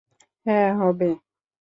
হ্যাঁ, হবে।